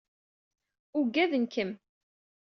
Uggaden-kem.